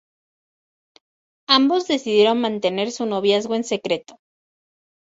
Ambos decidieron mantener su noviazgo en secreto.